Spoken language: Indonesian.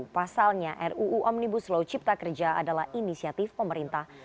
pasalnya ruu omnibus law cipta kerja adalah inisiatif pemerintah